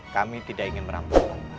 kami tidak ingin merampok